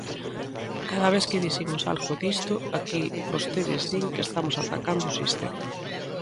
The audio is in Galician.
Cada vez que dicimos algo disto aquí vostedes din que estamos atacando o sistema.